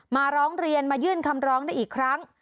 มาร้องเรียนมายื่นคำร้องได้อีกครั้ง